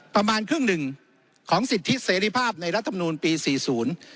ประมาณครึ่งหนึ่งของสิทธิเสรีภาพในรัฐมนูลปีสี่ศูนย์